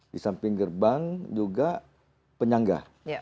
di samping gerbang juga penyangga